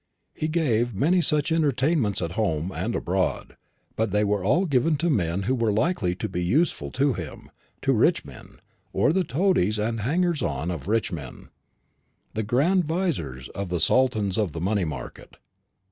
He gave many such entertainments at home and abroad; but they were all given to men who were likely to be useful to him to rich men, or the toadies and hangers on of rich men, the grand viziers of the sultans of the money market.